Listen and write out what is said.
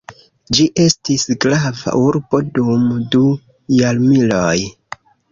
Ĝi estis grava urbo dum du jarmiloj.